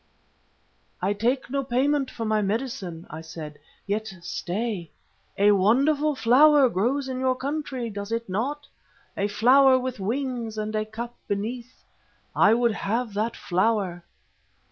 "'I take no payment for my medicine,' I said. 'Yet stay. A wonderful flower grows in your country, does it not? A flower with wings and a cup beneath. I would have that flower.